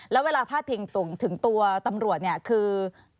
แล้วเวลาพาดพิงตรงถึงตัวตำรวจเนี่ยคือ